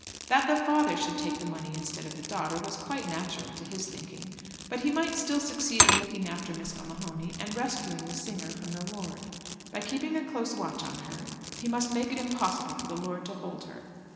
That the father should take the money instead of the daughter, was quite natural to his thinking. But he might still succeed in looking after Miss O'Mahony, and rescuing the singer from the lord. By keeping a close watch on her he must make it impossible for the lord to hold her.